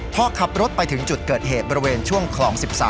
พอขับรถไปถึงจุดเกิดเหตุบริเวณช่วงคลอง๑๓